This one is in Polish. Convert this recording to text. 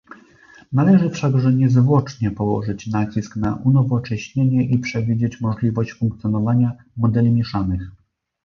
Należy wszakże niezwłocznie położyć nacisk na unowocześnienie i przewidzieć możliwość funkcjonowania modeli mieszanych